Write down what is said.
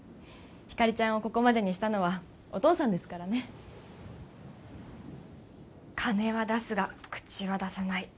ひかりちゃんをここまでにしたのはお父さんですからね金は出すが口は出さない